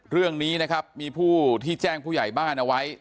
เรื่องนี้นะครับมีผู้ที่แจ้งผู้ใหญ่บ้านเอาไว้